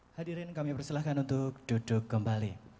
hadirin kami persilahkan untuk duduk kembali